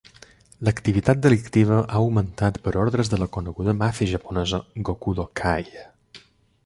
L'activitat delictiva ha augmentat per ordres de la coneguda màfia japonesa Gokudo-kai.